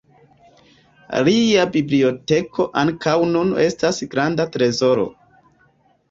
Lia biblioteko ankaŭ nun estas granda trezoro.